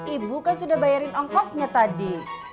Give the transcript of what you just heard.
ibu kan sudah bayarin ongkosnya tadi